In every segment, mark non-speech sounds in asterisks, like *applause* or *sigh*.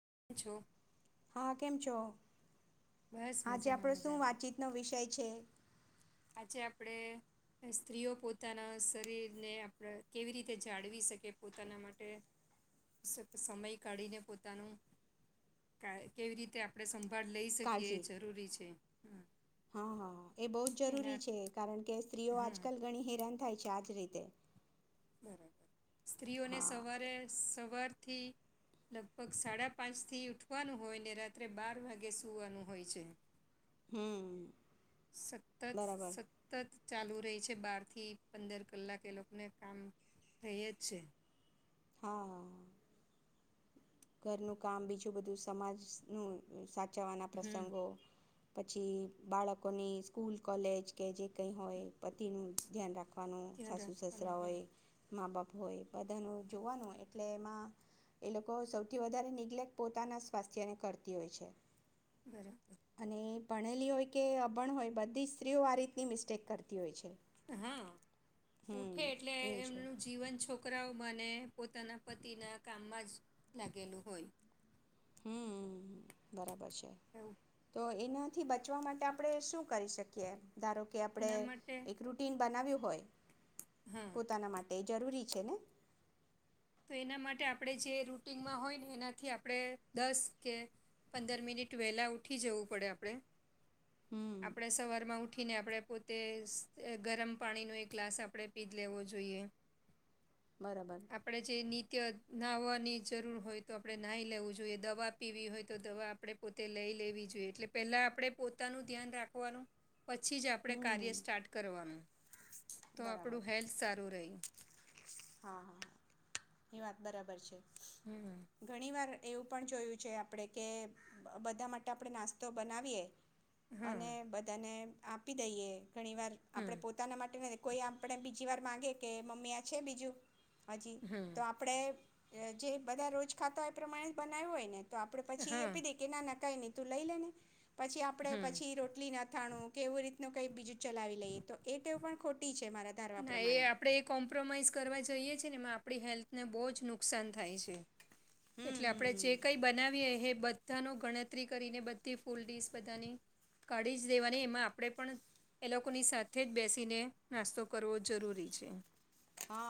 *inaudible* *inaudible* આજે બસ મજામાં આપડો શું મજામાં વાતચીત નો વિષય છે? આજે આપણે, સ્ત્રીઓ પોતાના શરીરને આપણે કેવી રીતે જાળવી શકીએ? પોતાના માટે સમય કાઢીને પોતાનું કેવી રીતે? આપણે *unintelligible* લઈ શકીએ એ કાળજી જરૂરી છે. હા હા એ બહુ જ તેના જરૂરી છે. કારણ કે સ્ત્રીઓ હમ આજકાલ ગણી હેરા થાય છે. આજ રીતે સ્ત્રીઓને હા સવારે, સવાર થી, લગભગ સાડા પાંચથી ઉઠવાનું હોય. ને રાત્રે બાર વાગે સૂવાનું હોય છે. હમ. સતત બરાબર સતત ચાલુ રહી છે બાર થી પંદર કલાક એ લોકોને કામ રહે જ છે. હા હ. ઘરનું કામ બીજું બધું સમાજ નું જવાના હમ પ્રસંગો પછી બાળકોની સ્કૂલ કોલેજ કે જે કઈ હોય પતીનું ધ્યાન રાખો. વાનું, ધ્યાન સાસુ રાખવાનું સસરા હમ હોય, મા બાપ હોય બધાનું જોવાનું એટલે એમાં એ લોકો શો વધારે નિગ્લેક્ટ પોતાના સ્વાસ્થ્યને કરતી હોય છે. બરાબર. અને ભણેલી હોય કે અભણ હોય બધી સ્ત્રીઓ આ રીતની મિસ્ટેક કરતી હોય છે. હા, હમ ઉઠે એટલે એવું છે એમનું જીવન છોકરાઓ મને પોતાના પતિના કામમાં જ લાગેલું હોય. હમ. બરાબર છે, એવું તો એનાથી બચવા માટે આપણે શું કરી શકીએ? ધારો કે આપડણે એના માટે એક રૂટીન બનાવ્યું હોય. હા પોતાના માટે જરૂરી છેને. તો એના માટે આપણે જે રૂટનમાં હોય ને એનાથી આપણે દસ કે પંદર મિનિટ વહેલા ઉઠી જવું પડે આપણે. હમ આપડે સવારમાં ઉઠી ઉઠીને આપણે પોતે ગરમ પાણીનો એક ગ્લાસ આપણે પી જ લેવો જોઈએ. બરાબર. આપણે જે નિત્ય નાહવાની જરૂર હોય તો આપણે નહીં લેવું જોઈએ દવા પીવી હોય તો દવા આપણે પોતે લઈ લેવી જોઈએ એટલે પહેલા આપણે પોતાનું ધ્યાન રાખવાનું. પછી જ આપણે હમ કાર્ય સ્ટાર્ટ કરવાનું. તો બરાબર આપણું હેલ્થ સારું રહી. હા હા હા એ વાત બરાબર છે. ઘણી વાર એવું પણ જોયું છે આપણેે કે, બધા માટે આપણે નાસ્તો બનાવીએ. અને હમ બધાને આપી દઈએ. ઘણી વાર હમ આપડે પોતાના માટે કોઈ આપણે બીજી વાર માંગે કે મમ્મી આ છે બીજું. હાજી હમ તો આપડે જે બધા રોજ ખાતા હોય એ પ્રમાણે બનાવ્યું હોય ને. તો આપડે પછી એ હા આપી દઈએ કે ના કઈ ન તું લઈ લેને. પછી આપડણે હમ પછી રોટલી નાથાણું કેવું રીતે નું કંઈ બીજું ચલાવી લઈએ તો એ તેવ પણ ખોટી છે. મારા ધારવા ના એ પ્રમાણે આપડે એ કોમ્પ્રોમાઈઝ કરવા જઈએ છે. છે ને એમાં આપણી હેલ્થને બહુ જ નુકસાન થાય છે. હમ એટલે હમ આપણે જે હમ કઈ બનાવીએ એ બધા ન ગણતરી કરીને બધી ફૂલ ડીશ બધાની, કાઢી જ દેવાની એમાં આપણે પણ એ લોકોની સાથે જ બેસીને નાસ્તો કરવો જરૂરી છે. હા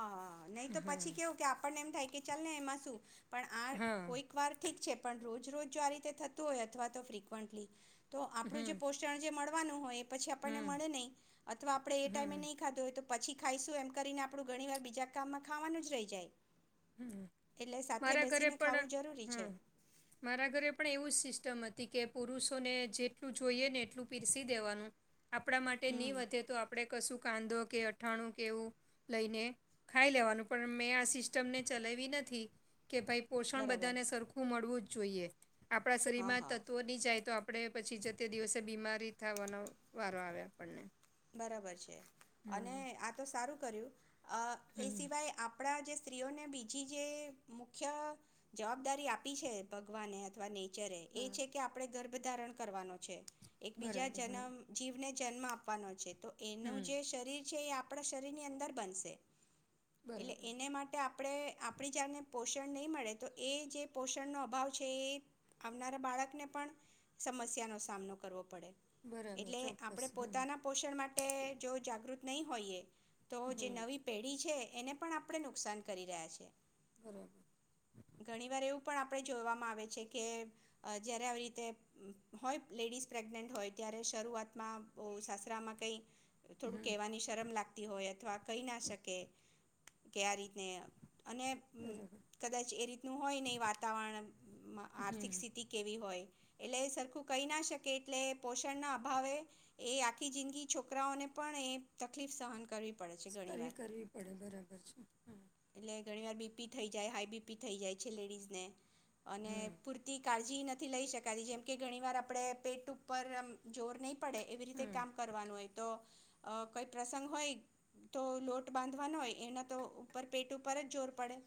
હ નહી તો હા પછી કેવું કે આપણને એમ થાય કે ચાલલે એ માસું પણ આ હા કોઈક વાર ઠીક છે. પણ રોજ રોજ જો આ રીતે થતું હોય અથવા તો ફ્રિકવન્ટલી તો આપણું જે હમ પોષણ જે મળ નું હોય પછી આપણને હમ મળે નહીં, અથવા આપણે એ ટાઈમે હમ નહીં ખાધું હોય તો પછી ખાઈશું એમ કરીને આપ આપું ઘણી વાર બીજા કામમાં ખાવાનું જ રહી જાય. હ એટલે સાથે મારા ઘરે બેસીને પણ ખાવું જરૂરી છે હમ મારા ઘરે પણ એવું જ સિસ્ટમ હતી. હતી કે પુરુષોને જેટલું જોઈએ ને એટલું પીરસી દેવાનું. આપણા માટે હમ નહીં વધે તો આપણે કશું કાંદો કે અથાણું કે એવું લઈને ખાઈ લેવાનું પણ મેં આ સી મને ચલાવી નથી. કે ભાઈ પોષણ બરાબર બધાને સરખું મળવું જ જોઈએ. આપણા હા શરીરમાં હા તત્વો નહીં જાય તો આપ આપણે પછી જ તે દિવસે બીમારી થવાનો વારો આવે આપણને. બરાબર છે. અને હમ આ તો સારું કર્યુ એ હમ સિવાય આપ આપણા જે સ્ત્રીઓને બીજી જે મુખ્ય જવાબદારી આપી છે ભગવાને અથવા ને. એ હા છે કે આપણે ગર વધારણ કરવાનો છે. એક બીજા બરાબર હા જન્મ જીવને જ જન્મા આપ આપવાનો છે. તો હમ એનું જે શરીર છે એ આપ આપણા શરીરની અંદર બનશે. એટલે બરાબર એને માટે આપણે આપડી જાને. પોષણ નહીં મળે. તો એ જે પોષણનો અભાવ છે. એ આવનારા બાળકને પણ સમસ્યાનો સામનો કરવો પડે. બરાબર એટલે આપ ચોક્કસ હમ પોતે પોષણ માટે જો જાગૃત નહીં હોઈએ. તો જે હમ નવી પેઢી છે. એને પણ આપણે નુકસાન કરી રહ્યા છે. બરાબર ઘણી વાર એવું પણ આપણે જોવામાં આવે છે, કે જયારે આવી રીતે હોય. લેડીઝ પ્રેગ્નેન્ટ હોય ત્યારે શરૂઆતમાં બહ શસત્રમાં કંઈ થોડું હમ કહેવાની શરમ લાગતી. હોય અથવા કહી ના શકે. કે આ રીતને અને બરાબર કદાચ એ રીતનું હોય નહીં. વાતાવરણ હમ આર્થિક સ્થિતિ કેવી હોય. એટલે સરખું કહી ના શકે એટલે પોષણ ના અભાવે. એ આખી જિંદગી છોકરાઓને પણ એ તકલીફ સહન કરવી. પડે છે ઘણીવાર કરી કરવી પડે બરાબર છે. હા. ઘણી વાર બીપી થઇ જાય. હાઈ બીપી થઇ જાય છે. લેડીઝને અને હમ પૂરતી કળ નથી લઈ શકાતી, જેમ કે ઘણી વાર આપડણે પેટ ઉપર જોર નહીં પડે. એવી રી હમ કામ કરવાનું હોય, તો કઈ પ્રસંગ હોય તો લોટ બાંધવાનો હોય, એના તો ઉપર પેટ ઉપર જ જોર પડે.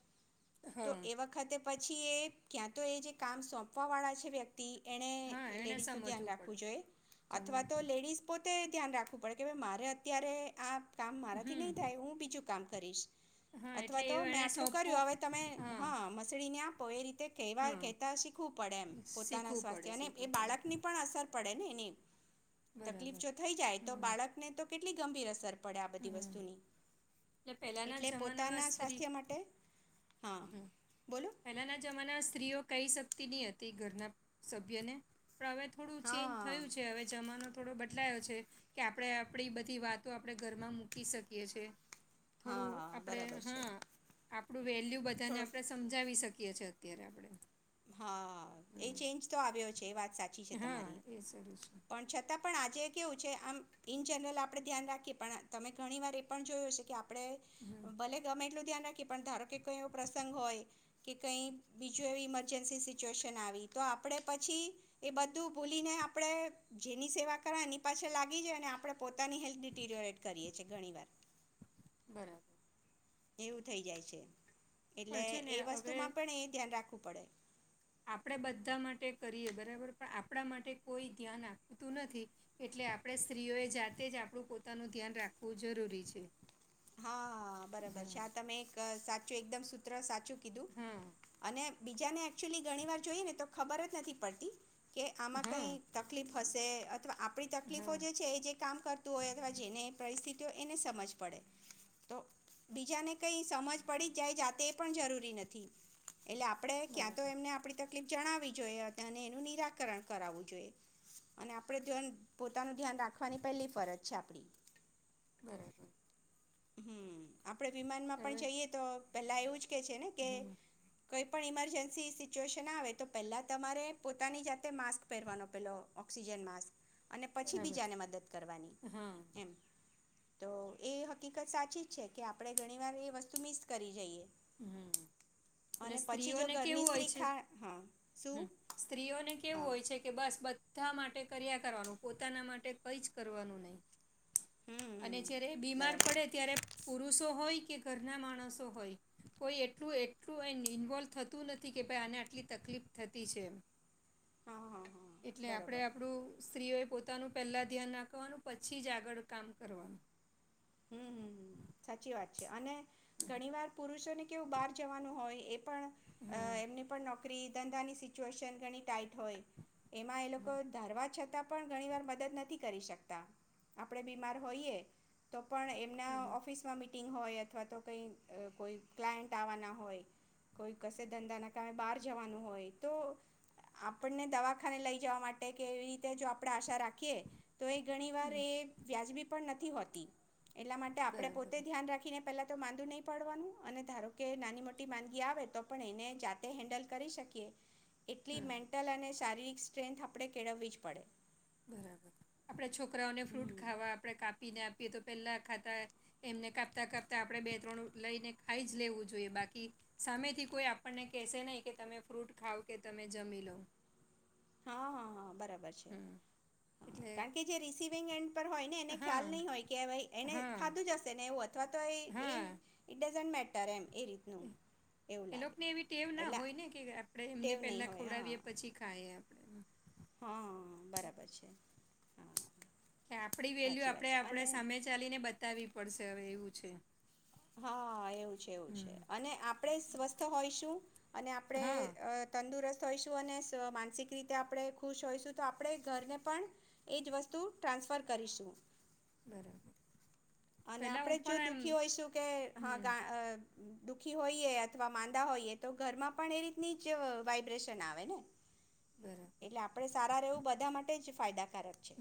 તો હા એ વખતે પછી એ ક્યાં તો એ જે કામ સોંપવા વાળા છે. વ્યક્તિ એણે હા એને લેડીઝનું ધ્યાન સમજવું રાખવું પડે જોઈએ, ચમો અથવા તો લેડીઝ ધ્યાન રાખવું પડે, કે ભ મારે અત્યારે આ કામ મારાથી નહી હમ થાય. હું બીજું કામ કરીશ. હા અથવા એટલે તો મેં એને આટલું સોંપવું કર્યું હવે. તમે હા મસડીને પો રરી. કવા હા કહેતા શીખવું પડે, એમ પોતાના શીખવું પડે સ્વાસ્થ્ય અને એ શીખવું પડે બાળક ની પણ અસર પડે ને એની. તકલીફ બરાબર જો થઈ જાય, તો હમ બાળકને તો કેટ કેટલી ગંભીર અસર પડે આ બધી હમ વસ્તુની. એટલે પહેલાના એટલે પોતાના સ્વાસ્થ્ય માટે હા હમ્મ બોલો પેલાના જમાના સ્ત્રીઓ કઈ શ તે ની હતી ઘરના સભ્યને? પણ હવે થોડું ચેન્જ હા થયું છે હવે જમાનો થોડો બદ બદલાયો છે, કે આપણે આપણી બધી વાતો આપણે ઘરમાં મૂકી શકીએ છે. થોડું હા આપડે બરાબર છે હા આપડું વેલ્યુ બધા ને થોડો આપણે સમજાવી શકીએ છીએ અત્યારે આપણે. હા એ ચેન્જ તો આવ્યો છે એ વાત સાચી છે, હા તમારી એ સારું છે પણ છતાં પણ આજે કેવું છે આમ ઇન જનરલ આપડે ધ્યાન રાખીએ પણ તમે ઘણી વાર એ પણ જોયો છે, કે આપ હમ આપડે ભલે ગમે એટલું ધ્યાન રાખીએ પણ ધારો કઈ એવો પ્રસંગ હોય, કે કઈ બીજું એવી મ જન્સી સિચ્યુએશન આવી તો આપડે પછી, એ બધું ભૂલીને આપડે જેની સેવા કર એની પાછ લાગી જઈએ ને આપડે પોતાની હેલ્થ કરીએ છીએ ઘણી વાર. બરાબર એવું થઇ જાય છે. પણ એટલે છે ને એ હવે, વસ્તુમાં પણ એ ધ્યાન રાખવું પડે આપણેે બધા માટે કરીએ બરાબર પણ આપ આપણા માટે કોઈ ધ્યાન આપતું નથી, એટલે આપણે સ્ત્રીઓએ જાતે જ આપણું પોતાનું ધ્યાન રાખવું જરૂરી છે. હા બરાબર છે હા આ તમે એક સાચ છે, એકદમ સૂત્ર સાથે ચુ કીધું હા અને બીજા ને એકચુઅલી ઘણી વાર જોઈએ ને તો ખબર જ નથી પડતી કે આમાં હા કઈ તકલીફ હસે અથવા આપ આપણી તકલીફો હા જે છે, એ જે કામ કરતું હોય, અથવા જેને પરિસ્થિતિ તો એને સમજ પડે તો બીજાને કંઈ સમજ પડી જાય જાતે એ પણ જરૂરી નથી. એટલે આપડે ક્યાં તો બરાબર એમને આપડી તક તકલીફ જણાવવી જોઈએ, અને એનું નિરાકરણ કરાવવું જોઈએ, અને આપડે જન પોતાનું ધ્યાન રાખવાની પહેલી ફરજ છે, આપડી. બરાબર. હમ્મ. આપણે વિમાનમાં પણ હવે જઈએ તો પહેલાં એવું જ છે ને કે હમ કઈ પણ ઈમરજન્સી સિચ્યુએશન આવે તો પેલા તમારે પોતાની જાતે માસ્ક પહેરવાનો પેલો ઓક્સિજન માસ્ક અને પછી બરાબર બીજાને મદદ કરવાની હા એમ તો એ હકીકત સાચી જ છે કે આપડણે ઘણી વાર એ વસ્તુ મિસ કરી જઈએ. એટલે અને પછી જો સ્ત્રીઓને ઘરની કેવું હોય સ્ત્રી છે, ખા હા શું સ્ત્રીઓને કેવું હા હોય છે કે બસ બધા માટે કર્યા કરવાનું પોતાના માટે કઈ જ કરવાનું નહી. હમ અને હમ જ્યારે બીમાર બરાબર પડે ત્યારે પુરુષો હોય કે ઘરના માણસો હોય. કોઈ એટલું એટલું ઈન્વોલ્વ થતું નથી કે ભાઈ આને આટલી તકલીફ થતી છે. હા હા હા એટલે આપડે બરાબર આપડું સ્ત્રીઓ પોતાનું પહેલાં ધ્યાન રાખવાનું પછી જ આગળ કામ કરવાનું. હમ હમ સાચી વાત છે અને, ઘણી વાર પુરુષોને કેવું બહાર જવાનું હોય, એ પણ હમ એમની પણ નોકરી ધંધાની સિચ્યુએશન ઘણી ટાઈટ હોય. એમાં એ લોકો ધારવા છતાં ઘણી વાર મદદ નથી કરી શકતા, આપણે બીમાર હોઈએ તો પણ એમના બરાબર ઓફિસમાં મી હોય અથવા તો કઈ કોઈ ક્લાયન્ટ આવવાના હોય, કોઈ કસે ધંધા ના કમે બહાર જવાનું હોય તો, આપણને દવાખાને લઈ જવા માટે કે એવી રીતે જો આપણેે આશા રાખીએ તો એ ઘણી વાર એ વ્યાજબી પણ નથી નથી હોતી. એટલા માટે આપણે પોતે બરાબર ધ્યાન રાખીને પેલા માંદુ નહી પડવાનું અને ધારો કે નાની મોટી માંદગી આવે તો પણ એને જાતે હેન્ડલ કરી શકીએ. એટલી હમ મેન્ટલ અને શારીરિક સ્ટ્રેન્થ આપણે કેળવવી જ પડે. બરાબર, આપણે છોક રાઓને ફ્રૂટ હમ ખાવા આપણે કાપીને આપ એ તો પહેલા ખાતા, એમને કાપતા કાપતા આપણે બે ત્રણ લઈને ખાઈ જ લેવું જોઈએ બાકી સામેથી કોઈ આપણને કેશે નઈ કે તમે ફ્રૂટ ખાવ કે તમે જમી લો. હં, હં, હં બ રાબર છે, હમ એટલે કાણ કે જે રિસિવિંગ એન્ડ પર હોય ને એને હા ખ્યાલ નઈ હોય કે ભઈ એને હા ખાધું જ હશે ને એવું અથવા એ એ હા ઇટ ડઝન્ટ મે ટર એમ. એ રીતનું એવું એ લાગે લોકને એવી ટેવ ના એટલે હોય ને કે આપડે એમને ટેવ નહીં પેલા ખવડાવીએ પછી ખાએ એમ હં, બરાબર છે, હા. કે આપડી વેલ્યુ સાચી વાત આપડે છે આપડે અને સામે ચાલીને બતાવવી પડશે હવે એવુ છે. હાં એવું છે એવું છે હમ અને આપણેે સ્વસ્થ હોઈશું અને આપડે હા તંદુરસ્ત ત હોઈશુ અને સ્વ માનસિક રીતે આપણે ખુશ હોયશું તો આપણે ઘરને પણ એજ વસ્તુ ટ્રાન્સફર કરીશું. બરાબર. અને પેલા હું આપણેે જ જો પણ એમ દુઃખી હોયશું કે હા હમ ગા દુઃખી હોઈએ અથવા માંદા હોઈએ તો ઘરમાં પણ એ રીતની જ વાઈબ્રેશન આવે ને. બરાબર એટલે આપડે સારા રહેવું બધા મા જ ફાયદા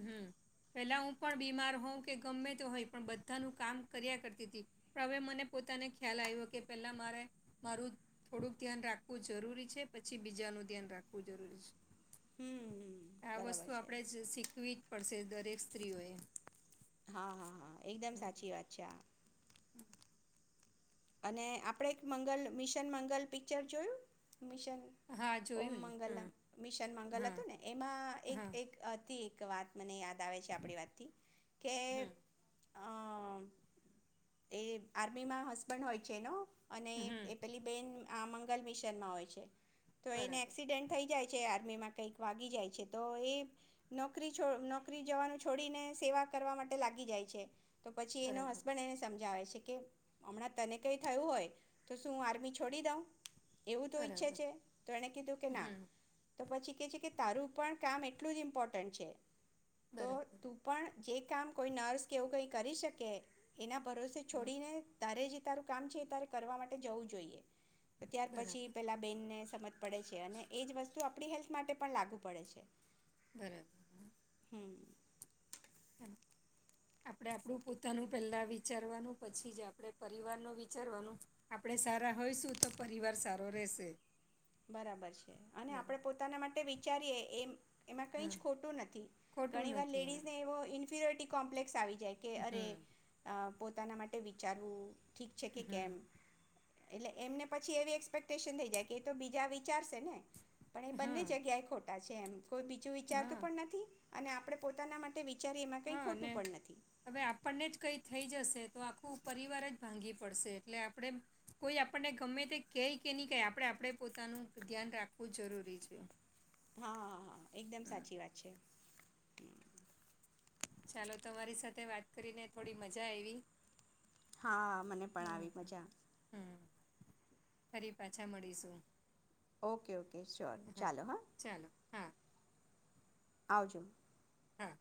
હમ પેલા હું પણ બીમાર હોઉં કે ગમે તો હોય પણ બધાનું કામ કર્યા કરતી હતી પણ હવે મને પોતાને ખ્યાલ આવ્યો કે પેલા મારે મારું થોડુંક ધ્યાન રાખવું જરૂરી છે પછી બીજાનું ધ્યાન રાખવું જરૂરી છે. હમ હમ, આ વસ્તુ બરાબર છે આપણેે જ શીખ પડશે દરેક સ્ત્રીઓએ હા હા હા. એકદમ સાચી વાત છે. હમ. અને આપણે એક મંગલ મિશન મંગલ પિક્ચર જોયું. મિશન હા ઓમ જોયું ને મંગલ હા મિશન મંગલ હા હતું ને એમાં એક હા એક હતી એક વાત મને યાદ આવે છે આપડી વાતથી કે હમ અ એ આર્મીમાં હસ પણ હોય છે એનો અને હમ એ પેલી બેન આ મંગલ મિશનમાં હોય છે. તો એને બરાબર એક્સિડેન્ટ થઈ જાય છે આર્મીમાં કઈક વાગી જાય છે તો એ, નોકરી નોકરી જવાનું છોડીને સેવા કરવા માટે લાગી જાય છે. તો પછી એનો બરાબર હસબન્ડ એને સમજાવે છે. કે હમણાં તને કઈ થયું હોય તો શું આર્મી છોડી દઉં. એવું તો ઈચ્છે બરાબર છે તો એણે કીધું કે ના. હમ તો પછી કે છે કે તારું પણ કામ એટલું જ ઇમ્પોર્ટન્ટ છે. તો બરાબર. તું પણ જે કામ કોઈ નર્સ કેવું કઈ કરી શકે એના પરોસે હમ છોડીને તારે જે તારું કામ છે તારે કરવા માટે જવું જોઈએ. તો ત્યાર બરાબર પછી પેલા બેન ને સમજ પડે છે અને એજ વસ્તુ આપણી હેલ્થ માટે પણ લાગુ પડે છે. બરાબર. *inaudible* આપણે આપણું પોતાનું પેલા વિચારવાનું પછી જ આપણે પરિવાર ન વિચારવાનું, આપણેે સારા હોયશું તો પરિવાર સારો રહેશે. બરાબર છે, અને બરાબર આપડે પોતાના માટે વિચારીએે એમ એમાં કઈ હા જ ખોટું નથી, ખોટું ઘણી વાર નથી લેડીઝ હા ને એવો કોમ્પ્લેસ આવી જે કે અરે હમ અ પોતાના માટે વિચારવું ઠીક છે કે હમ કેમ? એટલે એમને પછી એવી એક્સપેક્ટેશન થઈ જાય કે તો બીજા વિચારશે ને પણ એ બંને હા જગ્યાએ ખોટું. ત છે એમ. કોઈ બીજું વિચારતું હા પણ નથી. અને આપડણે પોતાના માટે વિચારીએ એમાં કંઈ હા ને ખોટું પણ નથી હવે આપણને જ કઈ થઈ જશે તો આખું પરિવાર જ ભાંગી પડશે, એટલે આપણે કોઈ આપણને ગમે તે ક કે નહી ક આપણે આપણે પોતાનું ધ્યાન રાખવું જરૂરી છે. હા હા હા એકદમ હમ સાચી વાત છે ચાલો તમારી સાથે વાત કરીને થોડી મજા આઇવિ. હા મને પણ આવી મજા. હમ ફરી પાછા મળીશું. ઓકે ઓકે શ્યોર ચાલો હા. ચાલો હા. આવજો. હા.